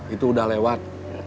itu udah lewat